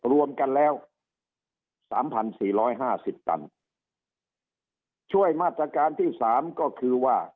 รวมกันแล้วสามพันสี่ร้อยห้าสิบตันช่วยมาตรการที่สามก็คือว่า